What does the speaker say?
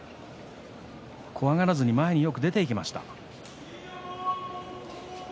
怖がらずに前によく出ていきました。